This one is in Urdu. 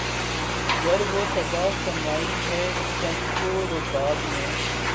گر وہ صدا سمائی ہے چنگ و رباب میں